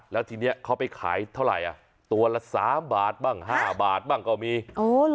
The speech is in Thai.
แล้วทีนี้เขาไปขายเท่าไหร่อ่ะตัวละสามบาทบ้างห้าบาทบ้างก็มีอ๋อเหรอ